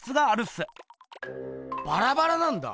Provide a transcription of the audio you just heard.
バラバラなんだ？